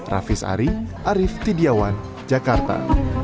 raffis ari arief tidiawan jakarta